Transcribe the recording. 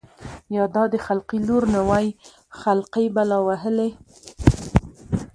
يا دا د خلقي لـور نه وای خـلقۍ بلا وهـلې.